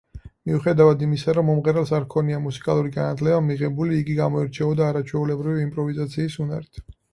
მიუხედავად იმისა რომ მომღერალს არ ჰქონდა მუსიკალური განათლება მიღებული, იგი გამოირჩეოდა არაჩვეულებრივი იმპროვიზაციის უნარით.